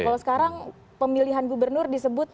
kalau sekarang pemilihan gubernur disebut